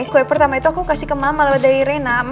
kue pertama itu aku kasih ke mama lewat dari rena